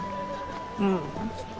うん。